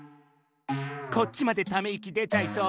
こっちまでため息出ちゃいそう。